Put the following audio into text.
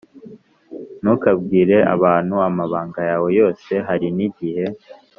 Ntukabwire abantu amabanga yawe yose harinigihe